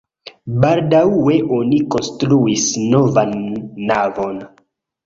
Baldaŭe oni konstruis novan navon.